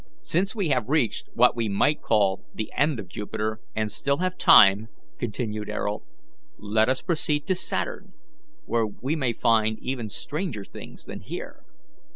"Since we have reached what we might call the end of Jupiter, and still have time, continued Ayrault, "let us proceed to Saturn, where we may find even stranger things than here.